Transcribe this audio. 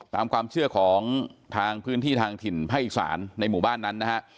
ตามความเชื่อของทางพื้นที่ทางถิ่นภาคอีสานในหมู่บ้านนั้นนะฮะ